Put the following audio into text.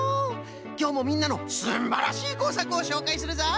きょうもみんなのすんばらしいこうさくをしょうかいするぞい！